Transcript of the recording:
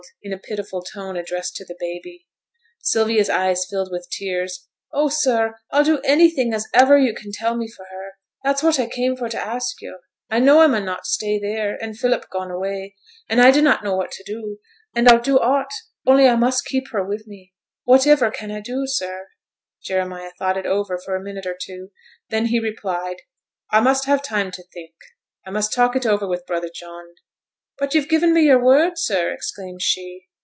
in a pitiful tone, addressed to the baby. Sylvia's eyes filled with tears. 'Oh, sir, I'll do anything as iver yo' can tell me for her. That's what I came for t' ask yo'. I know I mun not stay theere, and Philip gone away; and I dunnot know what to do: and I'll do aught, only I must keep her wi' me. Whativer can I do, sir?' Jeremiah thought it over for a minute or two. Then he replied, 'I must have time to think. I must talk it over with brother John.' 'But you've given me yo'r word, sir!' exclaimed she.